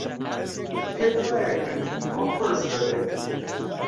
پێت وایە کردنی ئەوە قورس دەبێت؟